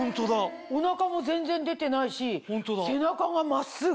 お腹も全然出てないし背中が真っすぐ。